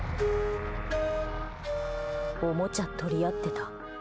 おもちゃ、取り合ってた。